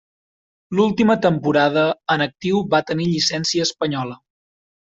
L'última temporada en actiu va tenir llicència espanyola.